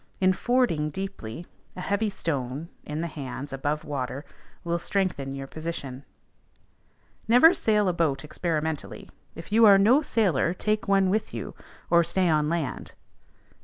In fording deeply, a heavy stone [in the hands, above water] will strengthen your position. Never sail a boat experimentally: if you are no sailor, take one with you, or stay on land.